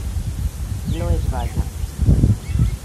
No es balla.